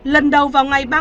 lần đầu vào ngày ba mươi một